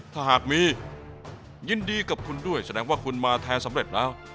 ถ้าหากมียินดีกับคุณด้วยแสดงว่าคุณมาแทนสำเร็จแล้ว